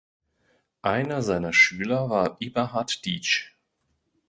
Einer seiner Schüler war Eberhardt Dietzsch.